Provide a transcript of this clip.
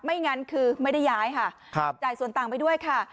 งั้นคือไม่ได้ย้ายค่ะจ่ายส่วนต่างไปด้วยค่ะ